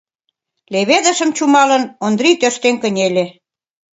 Леведышым чумалын, Ондрий тӧрштен кынеле.